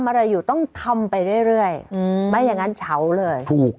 อะไรอยู่ต้องทำไปเรื่อยเรื่อยอืมไม่อย่างงั้นเฉาเลยถูก